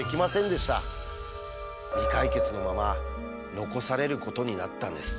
未解決のまま残されることになったんです。